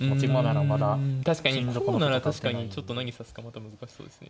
確かにこうなら確かにちょっと何指すかまた難しそうですね。